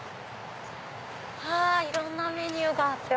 はぁいろんなメニューがあって。